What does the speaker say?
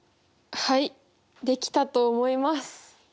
はいできたと思います。